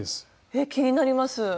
えっ気になります。